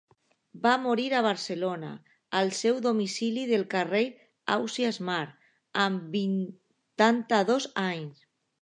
Va morir a Barcelona, al seu domicili del carrer Ausiàs March, amb vuitanta-dos anys.